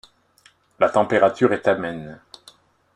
La température est amène.